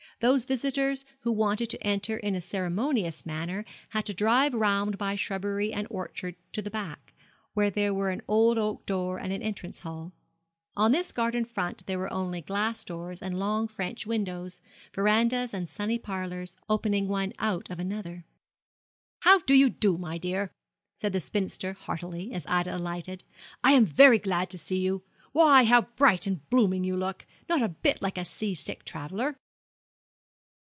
Those visitors who wanted to enter in a ceremonious manner had to drive round by shrubbery and orchard to the back, where there were an old oak door and an entrance hall. On this garden front there were only glass doors and long French windows, verandahs, and sunny parlours, opening one out of another. 'How do you do, my dear?' said the spinster heartily, as Ida alighted; 'I am very glad to see you. Why, how bright and blooming you look not a bit like a sea sick traveller.'